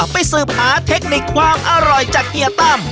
สืบหาเทคนิคความอร่อยจากเฮียตั้ม